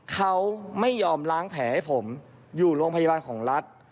เขาไม่ยอมล้างแผลให้ผมอยู่โรงพยาบาลของรัฐ